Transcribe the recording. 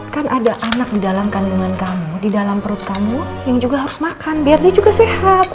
kan ada anak di dalam kandungan kamu di dalam perut kamu yang juga harus makan biar dia juga sehat